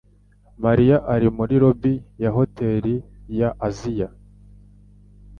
Mariya ari muri lobby ya Hotel ya Aziya